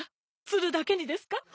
ツルだけにですか？